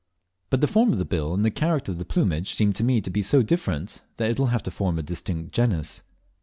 But the form of the bill and the character of the plumage seem to me to be so different that it will have to form a distinct genus.